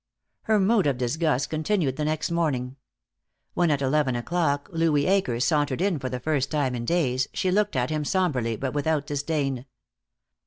Her mood of disgust continued the next morning. When, at eleven o'clock, Louis Akers sauntered in for the first time in days, she looked at him somberly but without disdain.